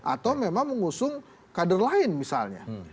atau memang mengusung kader lain misalnya